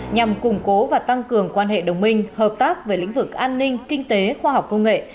nhằm củng cố và tăng cường quan hệ đồng minh hợp tác về lĩnh vực an ninh kinh tế khoa học công nghệ